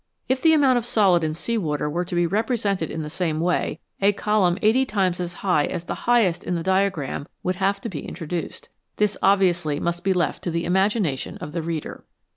If the amount of solid in sea water were to be represented in the same way, a column eighty times as high as the highest in the diagram would have to be introduced. This obviously must be left to the imagination of the reader.